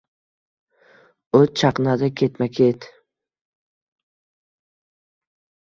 O’t chaqnadi ketma-ket.